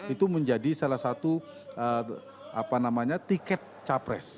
itu menjadi salah satu tiket capres